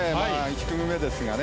１組目ですがね。